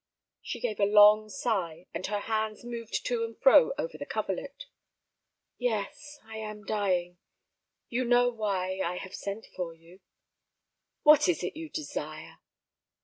She gave a long sigh, and her hands moved to and fro over the coverlet. "Yes. I am dying. You know why—I have sent for you." "What is your desire?"